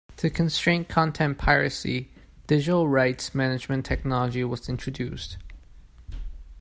To constrain content piracy, digital rights management technology was introduced.